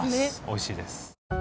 おいしいです